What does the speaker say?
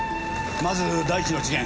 まず第一の事件